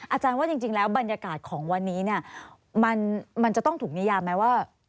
อาจารย์ว่าจริงแล้วบรรยากาศของวันนี้เนี่ยมันจะต้องถูกนิยามไหมว่า